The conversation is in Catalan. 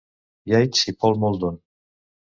Yeats i Paul Muldoon.